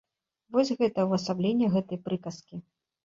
Вось гэта ўвасабленне гэтай прыказкі.